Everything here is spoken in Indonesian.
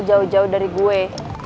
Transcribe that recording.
jauh jauh dari gue